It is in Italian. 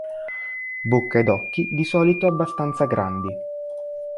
Bocca ed occhi di solito abbastanza grandi.